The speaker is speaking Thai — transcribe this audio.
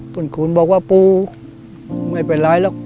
คุณขูนบอกว่าปูไม่เป็นไรหรอก